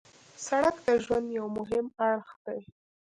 سړک د ژوند یو مهم اړخ دی.